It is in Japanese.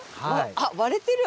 あっ割れてる。